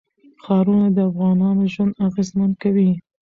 ښارونه د افغانانو ژوند اغېزمن کوي.